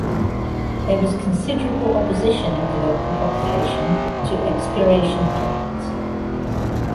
There was considerable opposition in the local population to exploration plans.